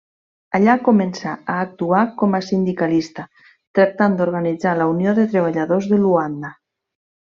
Allà començà a actuar com a sindicalista, tractant d'organitzar la Unió de Treballadors de Luanda.